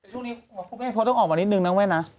ช่วงนี้พวกแม่โพสต์ต้องออกมานิดหนึ่งนะเว้ยนะ